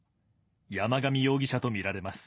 山上容疑者と見られます。